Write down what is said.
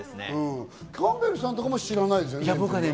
キャンベルさんとかも知らないですよね。